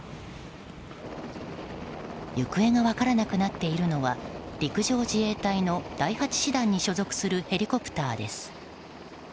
行方が分からなくなっているのは陸上自衛隊の第８師団に所属するヘリコプターです。